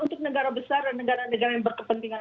untuk negara besar dan negara negara yang berkepentingan